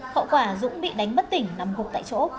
hậu quả dũng bị đánh bất tỉnh nằm gục tại chỗ